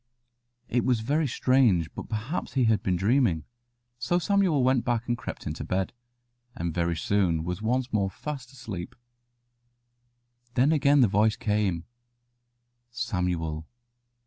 It was very strange; but perhaps he had been dreaming, so Samuel went back and crept into bed, and very soon was once more fast asleep. Then again the voice came: "Samuel."